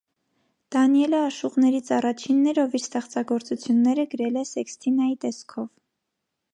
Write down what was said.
Դանիելը աշուղներից առաջինն էր, ով իր ստեղծագործությունները գրել է սեքսթինայի տեսքով։